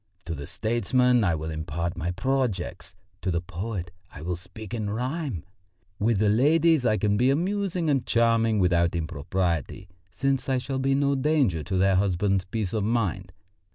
To the statesmen I will impart my projects; to the poet I will speak in rhyme; with the ladies I can be amusing and charming without impropriety, since I shall be no danger to their husbands' peace of mind.